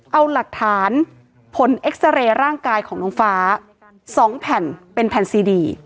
เอาหลักฐานผลเอ็กซาเรย์ร่างกายของน้องฟ้า๒แผ่นเป็นแผ่นซีดี